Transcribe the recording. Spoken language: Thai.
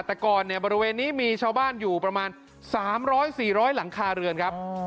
แต่ก่อนเนี่ยบริเวณนี้มีชาวบ้านอยู่ประมาณ๓๐๐๔๐๐หลังคาเรือนครับ